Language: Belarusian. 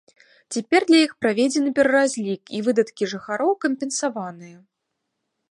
Цяпер для іх праведзены пераразлік, і выдаткі жыхароў кампенсаваныя.